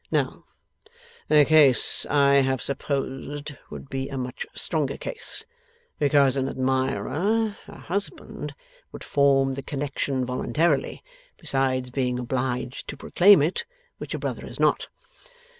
Now, the case I have supposed would be a much stronger case; because an admirer, a husband, would form the connexion voluntarily, besides being obliged to proclaim it: which a brother is not.